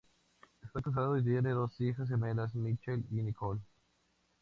Está casado y tiene dos hijas gemelas, Michelle y Nicole.